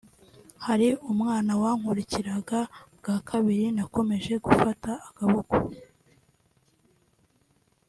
Hari umwana wankurikiraga bwa kabiri nakomeje gufata akaboko